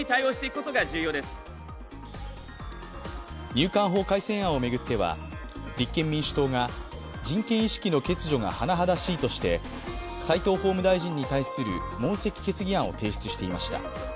入管法改正案を巡っては立憲民主党が人権意識の欠如が甚だしいとして齋藤法務大臣に対する問責決議案を提出していました。